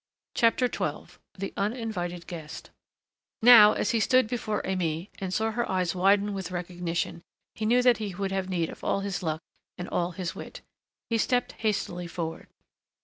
CHAPTER XII THE UNINVITED GUEST Now as he stood before Aimée, and saw her eyes widen with recognition, he knew that he would have need of all his luck and all his wit. He stepped hastily forward.